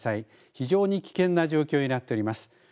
非常に危険な状況になっております。